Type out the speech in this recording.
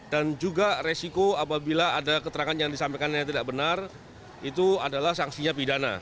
dan juga resiko apabila ada keterangan yang disampaikan yang tidak benar itu adalah sanksinya pidana